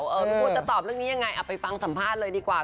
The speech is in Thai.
พี่โพธจะตอบเรื่องนี้ยังไงเอาไปฟังสัมภาษณ์เลยดีกว่า